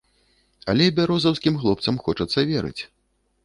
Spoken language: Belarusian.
Але бярозаўскім хлопцам хочацца верыць.